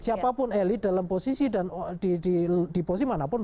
siapapun elit dalam posisi dan di posisi manapun